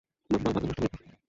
মাম্মাহ, মাথা নষ্ট করা পোশাক!